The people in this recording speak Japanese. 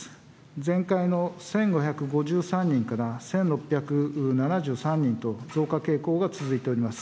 前回の１５５３人から１６７３人と、増加傾向が続いております。